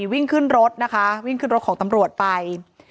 วิ่งขึ้นรถนะคะของตำรวจไป